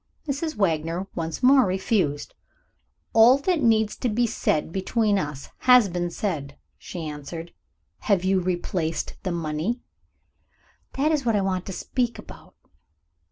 Mrs. Wagner once more refused. "All that need be said between us has been said," she answered. "Have you replaced the money?" "That is what I want to speak about?"